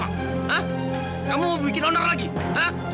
hah kamu mau bikin honor lagi hah